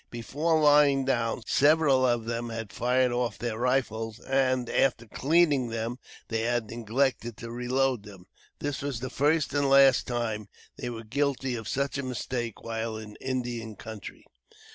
Before lying down, several of them had fired off their rifles, and, after cleaning them, they had neglected to reload them. This was the first and last time they were guilty of such a mistake while in an Indian country.